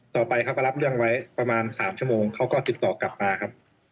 เขาก็รับเรื่องไว้ประมาณ๓ชั่วโมงเขาก็ติดต่อกลับมาครับ